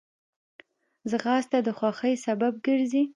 ځغاسته د خوښۍ سبب ګرځي